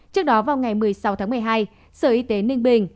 trước đó vào ngày một mươi sáu tháng một mươi hai sở y tế ninh bình